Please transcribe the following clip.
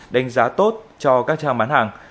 đánh giá tốt cho các trang bán hàng